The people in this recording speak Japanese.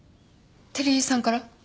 照井さんから？